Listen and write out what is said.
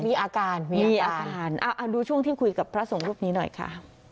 มีอาการมีอาการดูช่วงที่คุยกับพระสงฆ์รูปนี้หน่อยค่ะ